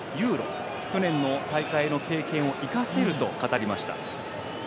去年の大会の経験を生かせると語りました。